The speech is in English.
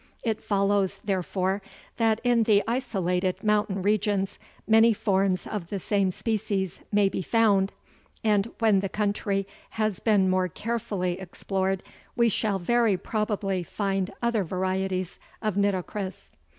It follows, therefore, that in the isolated mountain regions many forms of the same species may be found, and when the country has been more carefully explored we shall very probably find other varieties of nitocris.